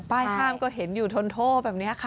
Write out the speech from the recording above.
ข้ามก็เห็นอยู่ทนโทแบบนี้ค่ะ